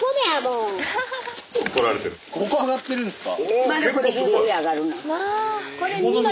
ここ上がってるんすか？